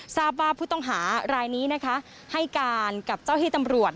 สารภาพผู้ต้องหารายนี้ให้การกับเจ้าหิตำรวจ